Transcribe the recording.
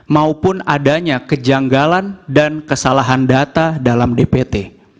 maupun adanya kejanggalan dan kesalahan data dalam dpt